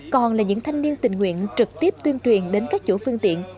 còn là những thanh niên tình nguyện trực tiếp tuyên truyền đến các chủ phương tiện